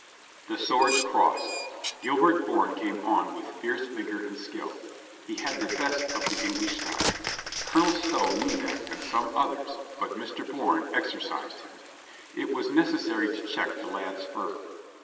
The swords crossed. Gilbert Bourne came on with fierce vigor and skill. He had the best of the English style. Colonel Stow knew that and some others, but Mr. Bourne exercised him. It was neces sary to check the lad's fervor.